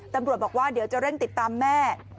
ตำรวจบอกว่าเดี๋ยวจะเร่งติดตามแม่